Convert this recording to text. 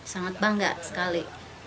sangat bangga sekali